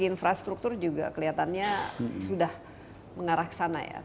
infrastruktur juga kelihatannya sudah mengarah ke sana ya